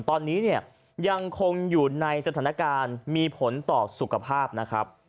ตอนนี้เนี่ยยังคงอยู่ในสถานการณ์มีผลต่อสุขภาพนะครับ